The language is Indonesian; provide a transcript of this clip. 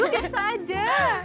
kok biasa aja